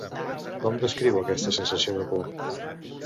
Com descriu aquesta sensació de por?